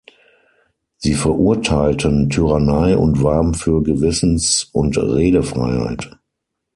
Sie verurteilten Tyrannei und warben für Gewissens- und Redefreiheit.